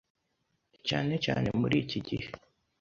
cyane cyane muri iki gihe,